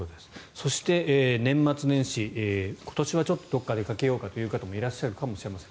そして、年末年始今年はちょっとどこか出かけようかという方いらっしゃるかもしれません。